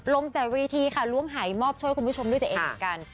ลงแต่เวทีค่ะล้วงหายมอบช่วยคุณผู้ชมด้วยตัวเองเหมือนกัน